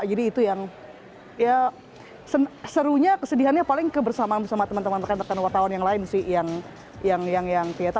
jadi itu yang serunya kesedihannya paling ke bersama sama teman teman rekan rekan wartawan yang lain sih yang ternyata